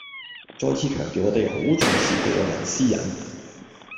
再次強調我哋好重視個人私隱